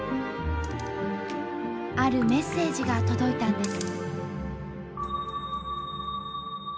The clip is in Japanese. あるメッセージが届いたんです。